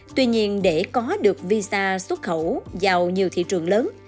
tuy nhiên để có được visa xuất khẩu vào nhiều thị trường lớn